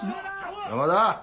山田！